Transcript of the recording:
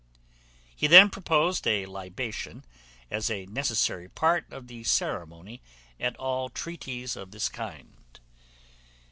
He then proposed a libation as a necessary part of the ceremony at all treaties of this kind.